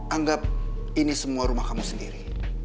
anggap ini semua rumah kamu sendiri